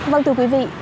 vâng thưa quý vị